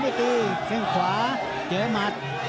ด้วยตีไม่ตีเส้นขวาเจ๋มัด